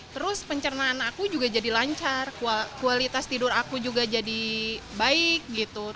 terus pencernaan aku juga jadi lancar kualitas tidur aku juga jadi baik gitu